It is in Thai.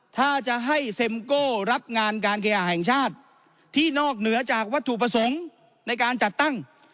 ถ้าจะให้เซ็มโก้รับงานการเคหาแห่งชาติที่นอกเหนือจากวัตถุประสงค์ในการจัดตั้ง